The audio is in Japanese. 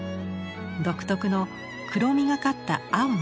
独特の黒みがかった青の染付。